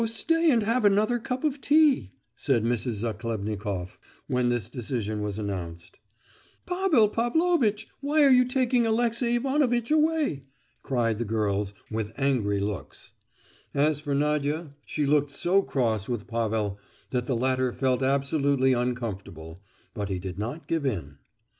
stay and have another cup of tea!" said Mrs. Zachlebnikoff, when this decision was announced. "Pavel Pavlovitch, why are you taking Alexey Ivanovitch away?" cried the girls, with angry looks. As for Nadia, she looked so cross with Pavel, that the latter felt absolutely uncomfortable; but he did not give in.